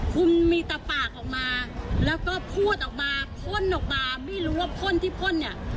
คุณมีแต่ปากออกมาแล้วก็พูดออกมาพ่นออกมาไม่รู้ว่าพ่นที่พ่นเนี่ย